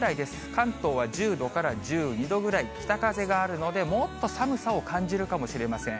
関東は１０度から１２度くらい、北風があるので、もっと寒さを感じるかもしれません。